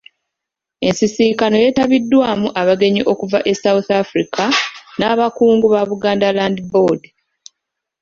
Ensisinkano yeetabiddwamu abagenyi okuva e South Africa n'Abakungu ba Buganda Land Board.